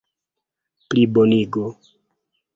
plibonigo